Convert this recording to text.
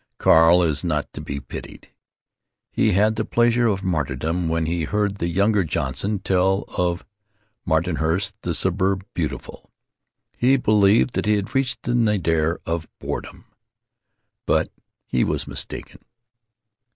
Carl is not to be pitied. He had the pleasure of martyrdom when he heard the younger Johnson tell of Martinhurst, the Suburb Beautiful. He believed that he had reached the nadir of boredom. But he was mistaken.